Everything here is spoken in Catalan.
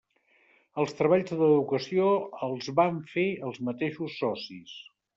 Els treballs d'adequació els van fer els mateixos socis.